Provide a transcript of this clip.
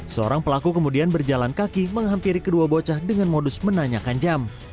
seorang pelaku kemudian berjalan kaki menghampiri kedua bocah dengan modus menanyakan jam